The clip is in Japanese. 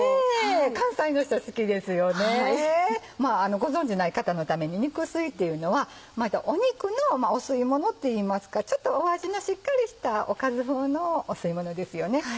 ご存じない方のために肉吸いっていうのは肉の吸いものっていいますかちょっと味のしっかりしたおかず風の吸いものですよね。